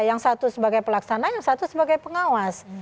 yang satu sebagai pelaksana yang satu sebagai pengawas